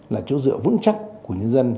là chỗ dựa vững chắc của nhân dân